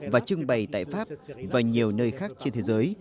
và trưng bày tại pháp và nhiều nơi khác trên thế giới